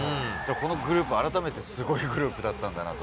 このグループは、改めてすごいグループだったんだなと。